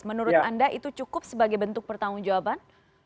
menurut anda itu cukup sebagai bentuk pertanggung jawaban